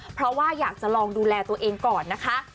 เพราะว่าอยากจะลองดูแลตัวเองก่อนนะคะ